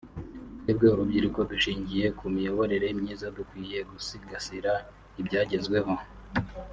twebwe urubyiruko dushingiye ku miyoborere myiza dukwiye gusigasira ibyagezweho